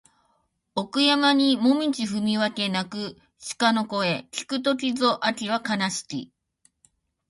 奥山にもみぢ踏み分け鳴く鹿の声聞く時ぞ秋は悲しき